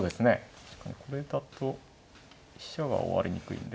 確かにこれだと飛車は追われにくいんで。